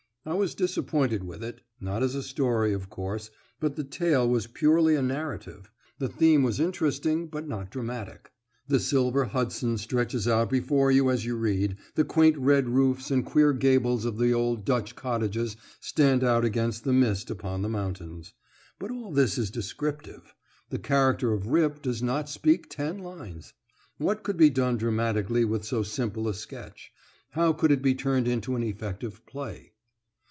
I was disappointed with it; not as a story, of course, but the tale was purely a narrative. The theme was interesting, but not dramatic. The silver Hudson stretches out before you as you read, the quaint red roofs and queer gables of the old Dutch cottages stand out against the mist upon the mountains; but all this is descriptive. The character of Rip does not speak ten lines. What could be done dramatically with so simple a sketch? How could it he turned into an effective play?